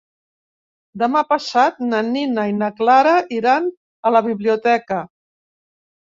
Demà passat na Nina i na Clara iran a la biblioteca.